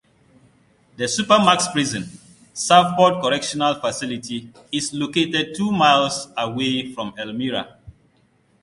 The supermax prison, Southport Correctional Facility, is located two miles away from Elmira.